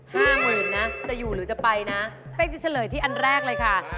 ห้าหมื่นนะจะอยู่หรือจะไปนะเป๊กจะเฉลยที่อันแรกเลยค่ะ